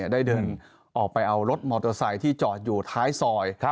ได้เดินออกไปเอารถมอเตอร์ไซค์ที่จอดอยู่ท้ายซอย